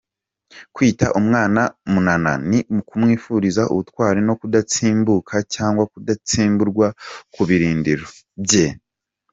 Kwita umwana Munana ni ukumwifuriza ubutwari no kudatsimbuka cyangwa kudatsimburwa ku birindiro bye.